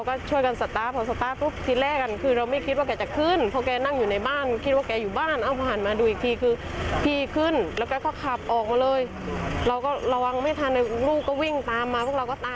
ขอบคุณครับ